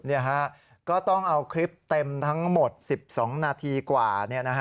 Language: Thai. ก็ต้องเอาคลิปเต็มทั้งหมด๑๒นาทีกว่า